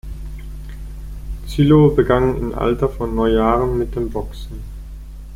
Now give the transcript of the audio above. Zülow begann im Alter von neun Jahren mit dem Boxen.